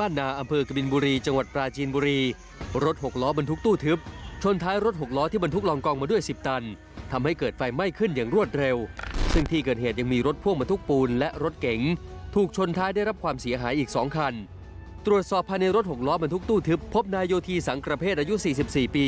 ภายในรถหกล้อบรรทุกตู้ทึบพบนายโยธีสังกระเพศอายุ๔๔ปี